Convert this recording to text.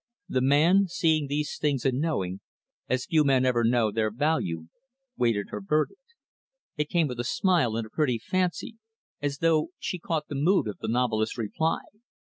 The man, seeing these things and knowing as few men ever know their value, waited her verdict. It came with a smile and a pretty fancy, as though she caught the mood of the novelist's reply.